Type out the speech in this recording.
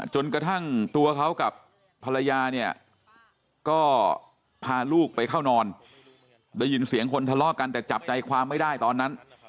จนกระทั่งตัวเขากับภรรยาเนี่ยก็พาลูกไปเข้านอนได้ยินเสียงคนทะเลาะกันแต่จับใจความไม่ได้ตอนนั้น